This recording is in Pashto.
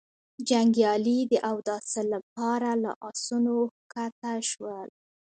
جنګيالي د اوداسه له پاره له آسونو کښته شول.